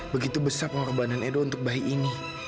begitu besar pengorbanan edo untuk bayi ini